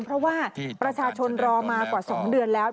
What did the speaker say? เพราะว่าประชาชนรอมากว่า๒เดือนแล้ว